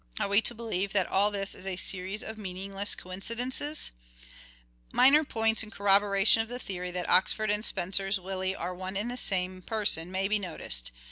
Are we to believe that all this is a series of meaningless coincidences ? Minor points in corroboration of the theory that Oxford and Spenser's " Willie " are one and the same person may be noticed.